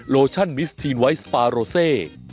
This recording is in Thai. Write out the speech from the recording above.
โลชั่นมิสทีนไวท์สปาโรเซ